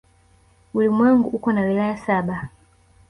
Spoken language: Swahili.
Ulimwengu uko na wilaya saba.